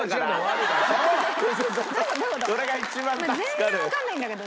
全然わかんないんだけど。